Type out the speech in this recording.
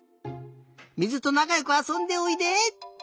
水となかよくあそんでおいで！